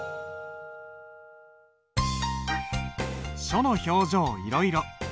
「書の表情いろいろ」。